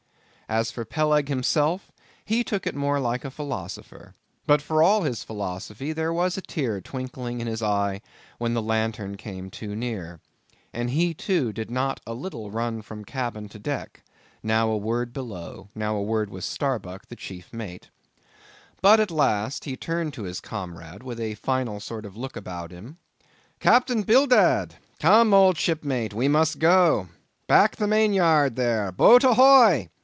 As for Peleg himself, he took it more like a philosopher; but for all his philosophy, there was a tear twinkling in his eye, when the lantern came too near. And he, too, did not a little run from cabin to deck—now a word below, and now a word with Starbuck, the chief mate. But, at last, he turned to his comrade, with a final sort of look about him,—"Captain Bildad—come, old shipmate, we must go. Back the main yard there! Boat ahoy!